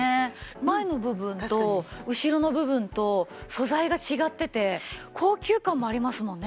前の部分と後ろの部分と素材が違ってて高級感もありますもんね。